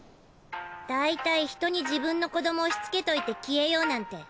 だいたい人に自分の子ども押しつけといて消えようなんて